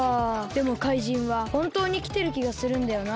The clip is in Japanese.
でも怪人はほんとうにきてるきがするんだよなあ。